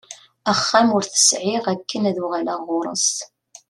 Axxam ur t-sεiɣ akken ad uɣaleɣ ɣur-s.